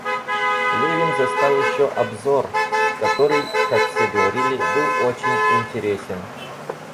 Левин застал еще обзор, который, как все говорили, был очень интересен.